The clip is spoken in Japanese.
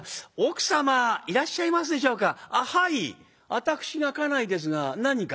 私が家内ですが何か？」。